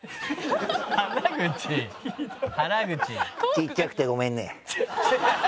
ちっちゃくてごめんね。